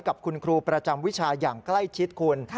กับคุณครูประจำวิชาอย่างใกล้ชิดคุณ